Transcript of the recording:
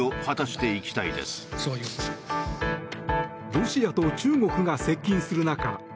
ロシアと中国が接近する中